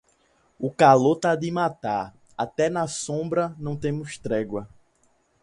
O calor tá de matar, até na sombra não temos trégua.